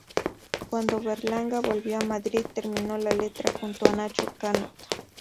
Cuando Berlanga volvió a Madrid terminó la letra junto a Nacho Canut.